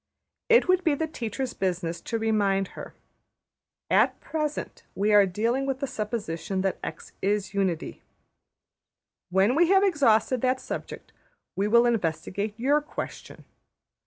It would be the teacher's business to remind her: ``At present we are dealing with the supposition that $x$ \emph{is} unity. When we have exhausted that subject we will investigate your question.